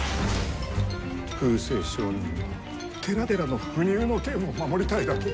空誓上人は寺々の不入の権を守りたいだけ。